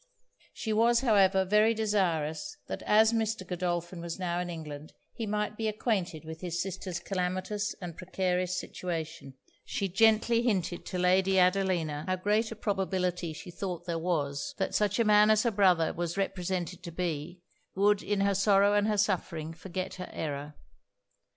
She was, however, very desirous that as Mr. Godolphin was now in England he might be acquainted with his sister's calamitous and precarious situation; and she gently hinted to Lady Adelina, how great a probability she thought there was, that such a man as her brother was represented to be, would in her sorrow and her suffering forget her error.